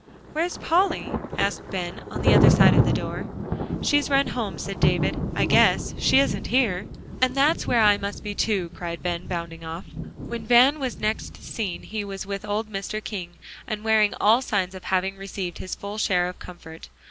"Where's Polly?" asked Ben, on the other side of the door. "She's run home," said David, "I guess. She isn't here." "And that's where I must be too," cried Ben, bounding off. When Van was next seen he was with old Mr. King, and wearing all signs of having received his full share of comfort.